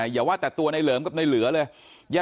อย่าว่าแต่ตัวในเหลิมกับในเหลือเลย